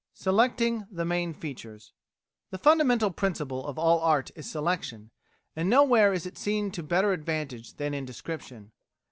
"[69:A] SELECTING THE MAIN FEATURES The fundamental principle of all art is selection, and nowhere is it seen to better advantage than in description.